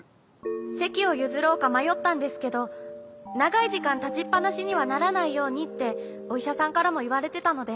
せきをゆずろうかまよったんですけどながいじかんたちっぱなしにはならないようにっておいしゃさんからもいわれてたので。